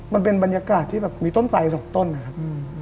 มันเป็นบรรยากาศที่แบบมีต้นไสสองต้นนะครับ